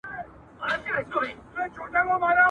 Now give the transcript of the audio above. • درواغ د ايمان زيان دئ.